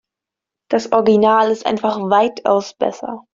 Das Original ist einfach weitaus besser.